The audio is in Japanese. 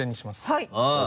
はい。